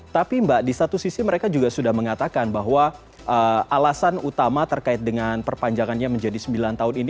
tapi mbak di satu sisi mereka juga sudah mengatakan bahwa alasan utama terkait dengan perpanjangannya menjadi sembilan tahun ini